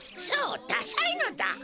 そうダサいのだ！